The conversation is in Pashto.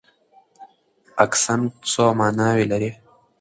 اکسنټ څو ماناوې لري؟